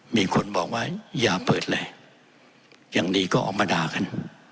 มีคนบอกว่าอย่าเปิดเลยอย่างดีก็ออกมาด่ากัน